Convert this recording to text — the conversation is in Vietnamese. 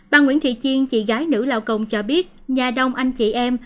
bà nguyễn thị chiên chị gái nữ lao công cho biết nhà đông anh chị em